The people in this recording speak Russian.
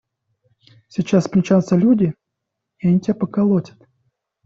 Сейчас примчатся… люди, и они тебя поколотят.